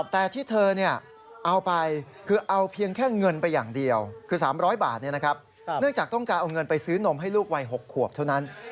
แต่ที่เธอเอาไปคือเอาเพียงแค่เงินไปอย่างเดียวคือ๓๐๐บาทเนื่องจากต้องการเอาเงินไปซื้อนมให้ลูกวัย๖ขวบเท่านั้น